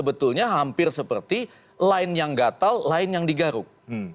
sebetulnya hampir seperti lain yang gatal lain yang digaruk